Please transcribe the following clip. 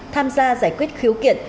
tham gia giải quyết khiếu kiện